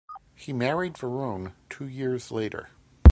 He married Verrone two years later.